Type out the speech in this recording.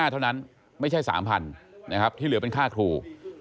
เท่านั้นไม่ใช่๓๐๐๐นะครับที่เหลือเป็นค่าครู